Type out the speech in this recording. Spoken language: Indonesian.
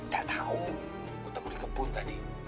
gak tau ketemu di kebun tadi